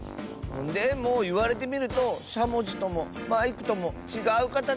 でもいわれてみるとしゃもじともマイクともちがうかたちかも。